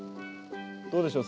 どうでしょう？